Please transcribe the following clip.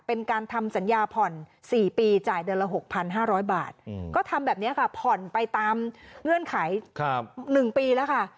เป็นการทำสัญญาผ่อน๔ปีจ่ายเดือนละ๖๕๐๐บาทก็ทำแบบนี้ค่ะผ่อนไปตามเงื่อนไข๑ปีแล้วค่ะ